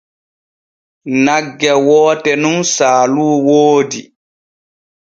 Nagge woote nun saalu woodi.